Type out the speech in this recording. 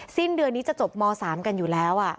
สิ้นเดือนนี้จะจบม๓กันอยู่แล้ว